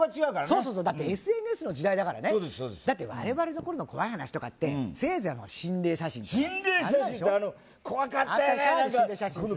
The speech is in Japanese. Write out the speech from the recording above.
そうそうだってＳＮＳの時代だからだって我々の頃の怖い話とかってせいぜい心霊写真とか心霊写真って怖かったよね